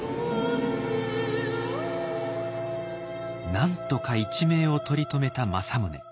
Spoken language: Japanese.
なんとか一命を取り留めた政宗。